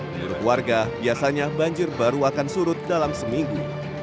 menurut warga biasanya banjir baru akan surut dalam seminggu